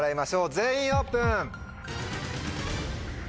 全員オープン！